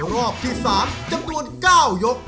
รอบที่๓จำนวน๙ยก